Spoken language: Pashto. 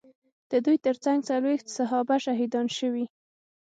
د دوی ترڅنګ څلوېښت صحابه شهیدان شوي.